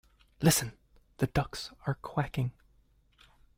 Listen! The ducks are quacking!